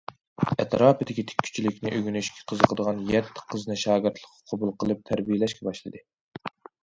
ئەتراپىدىكى تىككۈچىلىكنى ئۆگىنىشكە قىزىقىدىغان يەتتە قىزنى شاگىرتلىققا قوبۇل قىلىپ تەربىيەلەشكە باشلىدى.